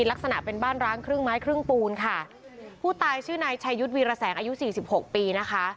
ลักษณะเป็นบ้านร้างครึ่งไม้ครึ่งปูนค่ะผู้ตายชื่อนายชายุทธ์วีรแสงอายุสี่สิบหกปีนะคะ